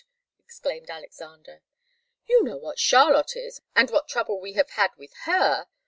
exclaimed Alexander. "You know what Charlotte is, and what trouble we have had with her.